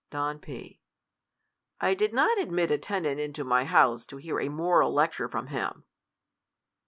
. Don P, I did not admit a tenant into my house to hear a moral lecture from him.